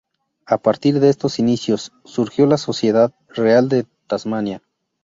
A partir de estos inicios surgió la Sociedad Real de Tasmania.